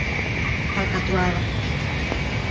Falcatruada